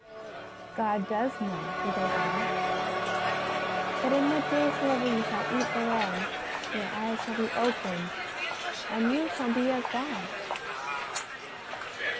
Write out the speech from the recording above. " God doth know," he goes on, ^^ that in what day soever you shall eat thereof your eyes shall be opened and you shall be as Gods."